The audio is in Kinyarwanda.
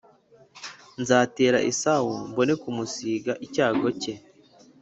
Nzatera esawu mbone kumus ga icyago cye